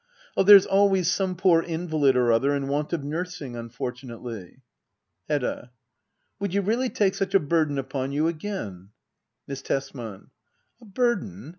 Oh, there's always some poor invalid or other in want of nursing, unfortunately. Hedda. Would you really take such a burden upon you again? Miss Tesman. A burden